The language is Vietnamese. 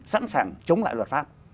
sẵn sàng chống lại luật pháp